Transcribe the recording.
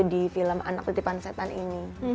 jadi itu memang ada di dalam anak titipan setan ini